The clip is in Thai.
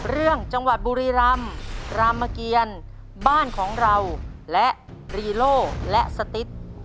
เรื่องจังหวัดบุรีรำรามเมอร์เกียนบ้านของเราและรีโล่และสติศ